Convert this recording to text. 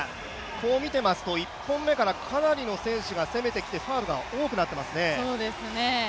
こう見てますと１本目からかなりの選手が攻めてきてファウルが多くなっていますね。